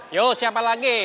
yo siapa lagi